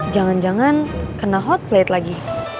jangan jangan kena hot plate lagi